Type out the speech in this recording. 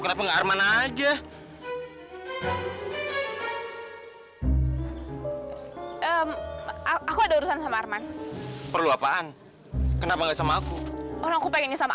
pengen arman aja aku ada urusan sama arman perlu apaan kenapa nggak sama aku orangku pengennya sama